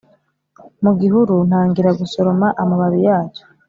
mugihuru ntangira gusoroma amababi yacyo